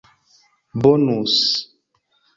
bonus